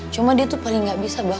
cuma dia tuh paling gak bisa mbak